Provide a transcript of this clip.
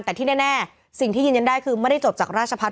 แต่ที่แน่สิ่งที่ยืนยันได้คือไม่ได้จบจากราชพัฒ